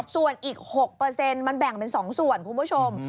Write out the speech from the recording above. ส่วนอีก๖มันแบ่งเป็น๒ส่วนคุณผู้ชม